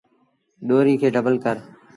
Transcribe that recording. ڏوريٚ کي ڊبل ڪر۔